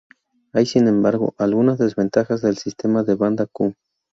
Hay, sin embargo, algunas desventajas del sistema de banda Ku.